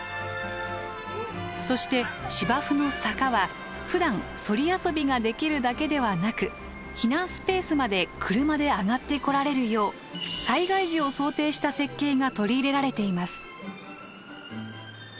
そして芝生の坂はふだんそり遊びができるだけではなく避難スペースまで車で上がってこられるよう災害時を想定した設計が取り入れられています。